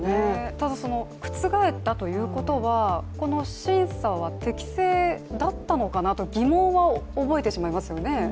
ただその覆ったということは、この審査は適正だったのかなと疑問は覚えてしまいますよね。